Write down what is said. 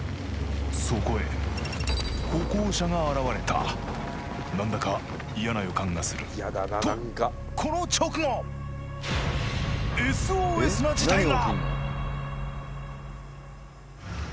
そこへ歩行者が現れた何だか嫌な予感がするとこの直後ＳＯＳな事態が！